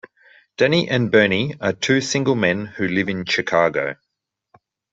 Danny and Bernie are two single men who live in Chicago.